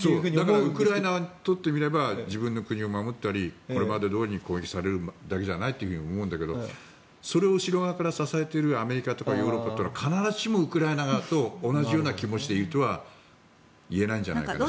ウクライナにとってみれば自分の国を守ってみたりこれまでどおり攻撃されるだけじゃないと思うんだけどそれを後ろ側から支えているアメリカとかヨーロッパは必ずしもウクライナ側と同じような気持ちでいるとはいえないんじゃないかなと。